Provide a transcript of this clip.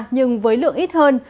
nhưng với lượng ít hơn